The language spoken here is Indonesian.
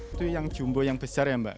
itu yang jumbo yang besar ya mbak